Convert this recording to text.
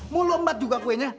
mau lombat juga kuenya